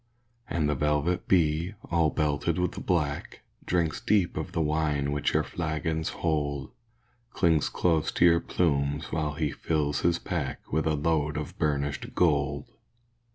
And the velvet bee, all belted with black, Drinks deep of the wine which your flagons hold, Clings close to your plumes while he fills his pack With a load of burnished gold.